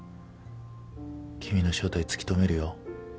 君の正体突き止めるよ